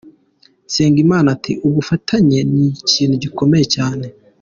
Nsengimana ati “ Ubufatanye, ni ikintu gikomeye cyane.